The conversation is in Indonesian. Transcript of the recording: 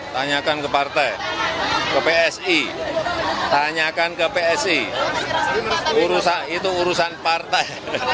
tanyakan ke partai ke psi tanyakan ke psi urusan itu urusan partai